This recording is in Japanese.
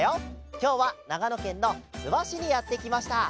きょうはながのけんのすわしにやってきました。